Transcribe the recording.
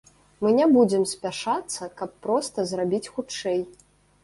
Мы не будзем спяшацца, каб проста зрабіць хутчэй.